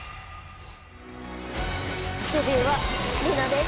デビューは梨菜です。